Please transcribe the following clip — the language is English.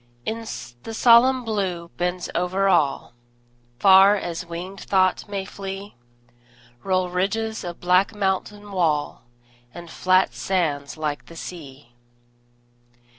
The solemn Blue bends over all; Far as winged thought may flee Roll ridges of black mountain wall, And flat sands like the sea.